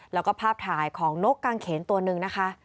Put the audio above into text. แล้วก็ภาพถ่ายของนกกางเขนตัวหนึ่งนะคะ